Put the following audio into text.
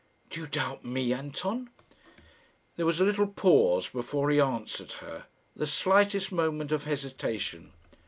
"Do you doubt me, Anton?" There was a little pause before he answered her the slightest moment of hesitation.